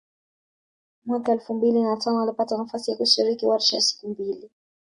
Mwaka elfu mbili na tano alipata nafasi ya kushiriki warsha ya siku mbili